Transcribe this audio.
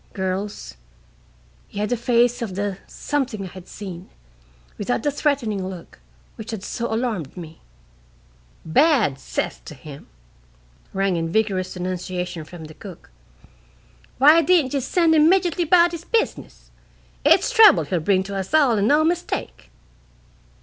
Girls, he had the face of the Something I had seen, without the threatening look, which had so alarmed me." "Bad 'cess to him!" rang in vigorous denunciation from the cook. "Why didn't ye send him 'mejitly about his business? It's trouble he'll bring to us all and no mistake!"